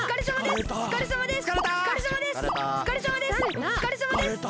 おつかれさまです！